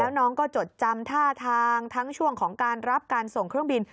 น้องก็จดจำท่าทางทั้งช่วงของการรับการส่งเครื่องบิน